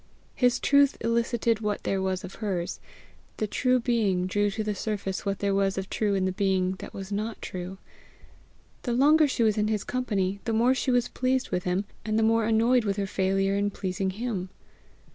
His truth elicited what there was of hers; the true being drew to the surface what there was of true in the being that was not true. The longer she was in his company, the more she was pleased with him, and the more annoyed with her failure in pleasing him.